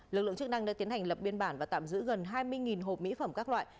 lực lượng chức năng đã tiến hành lập biên bản và tạm giữ gần hai mươi hộp mỹ phẩm các loại